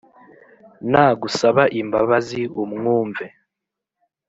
na gusaba imbabazi umwumve